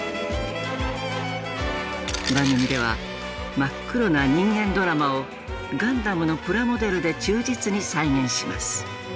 番組では真っ黒な人間ドラマをガンダムのプラモデルで忠実に再現します。